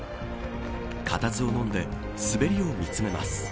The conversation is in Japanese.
かたずをのんで滑りを見つめます。